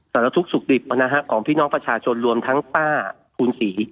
สนทุกข์สุขดีบของพี่น้องประชาชนรวมทั้งป้าคุณศรี